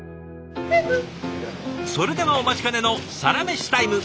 それではお待ちかねのサラメシタイム。